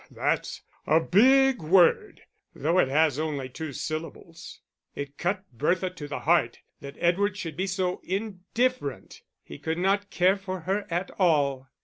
"That's a big word though it has only two syllables." It cut Bertha to the heart that Edward should be so indifferent he could not care for her at all.